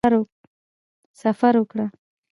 سفر وکړ.